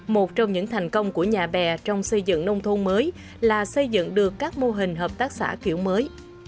một trong những thành công của nhà bè trong xây dựng nông thôn mới là xây dựng được các mô hình hợp tác xã kiểu mới